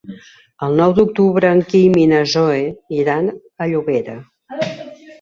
El nou d'octubre en Quim i na Zoè iran a Llobera.